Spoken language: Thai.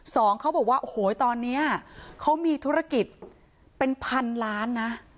เขาบอกว่าโอ้โหตอนนี้เขามีธุรกิจเป็นพันล้านนะ